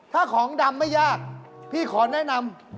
ถ้าของดำไม่ยากพี่ขอแนะนำ